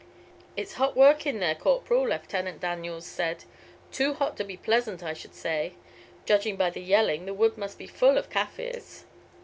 "It's hot work in there, corporal," Lieutenant Daniels said. "Too hot to be pleasant, I should say. Judging by the yelling, the wood must be full of Kaffirs."